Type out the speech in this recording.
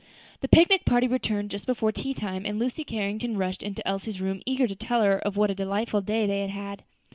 The picnic party returned just before tea time, and Lucy Carrington rushed into Elsie's room eager to tell her what a delightful day they had had.